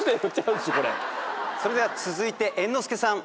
それでは続いて猿之助さん。